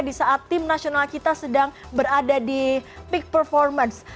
di saat tim nasional kita sedang berada di peak performance